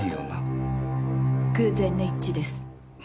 偶然の一致です。